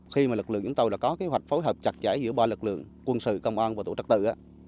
khi mà lực lượng chúng ta đã có kế hoạch phối hợp chặt chẽ giữa ba lực lượng quân sự công an và tổ chức tự